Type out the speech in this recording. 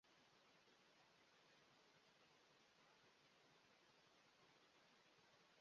হিন্দু এবং মুসলমানগণ অনেক আগে থেকেই এই গ্রামে সম্মানের সাথে জীবনযাপন করছে।